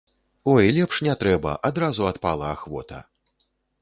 Ой, лепш не трэба, адразу адпала ахвота.